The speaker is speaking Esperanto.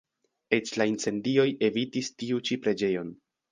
Eĉ la incendioj evitis tiu ĉi preĝejon.